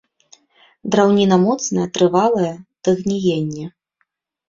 Драўніна моцная, трывалая да гніення.